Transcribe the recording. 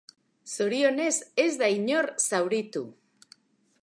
Zorionez ez da inor zauritu.